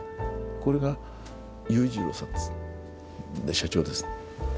これが裕次郎さんです、社長ですって。